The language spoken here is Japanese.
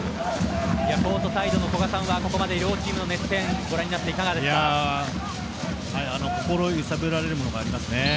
コートサイドの古賀さんはここまで両チームの熱戦を心揺さぶられるものがありますね。